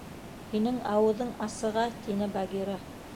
— Һинең... ауыҙын асыға, — тине Багира.